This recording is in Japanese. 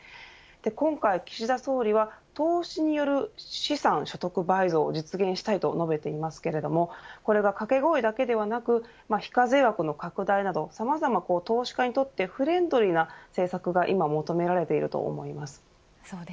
今回、岸田総理は投資による資産所得倍増を実現したいと述べていますがこれが掛け声だけではなく非課税枠の拡大などさまざま、投資家にとってフレンドリーな政策が今、求められていると思います。